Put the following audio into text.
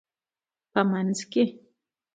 په مینځ کې